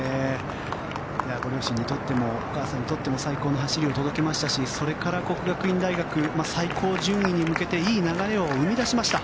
ご両親にとってもお母さんにとっても最高の走りを届けましたしそれから、國學院大學最高順位に向けていい流れを生み出しました。